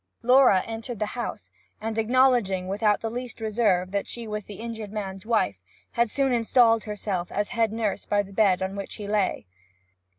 Laura entered the house, and acknowledging without the least reserve that she was the injured man's wife, had soon installed herself as head nurse by the bed on which he lay.